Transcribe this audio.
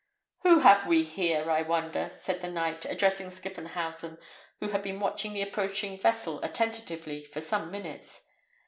"Who have we here, I wonder?" said the knight, addressing Skippenhausen, who had been watching the approaching vessel attentively for some minutes.